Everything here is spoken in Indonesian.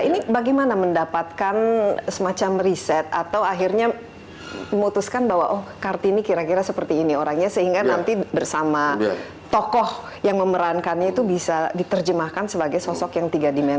ini bagaimana mendapatkan semacam riset atau akhirnya memutuskan bahwa oh kartini kira kira seperti ini orangnya sehingga nanti bersama tokoh yang memerankannya itu bisa diterjemahkan sebagai sosok yang tiga dimensi